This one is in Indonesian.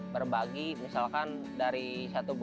berbagi misalkan dari satu buah